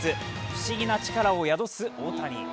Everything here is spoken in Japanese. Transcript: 不思議な力を宿す大谷。